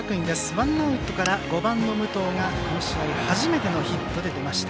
ワンアウトから５番の武藤がこの試合初めてのヒットで出ました。